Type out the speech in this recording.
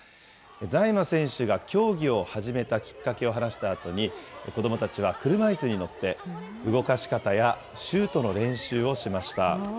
財満選手が競技を始めたきっかけを話したあとに、子どもたちは車いすに乗って、動かし方やシュートの練習をしました。